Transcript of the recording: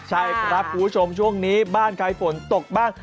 ใช่ครับคุณผู้ชมช่วงนี้บ้านใครฝนตกบ้าง